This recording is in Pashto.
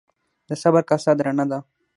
د صبر کاسه درنه ده.